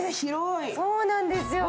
そうなんですよ。